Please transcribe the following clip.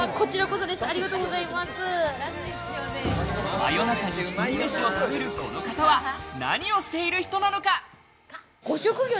真夜中に１人飯を食べる、この方は何をしている人なのか。